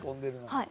はい。